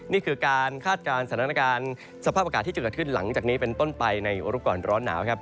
นี่คือการคาดการณ์สถานการณ์สภาพอากาศที่จะเกิดขึ้นหลังจากนี้เป็นต้นไปในรูปก่อนร้อนหนาวครับ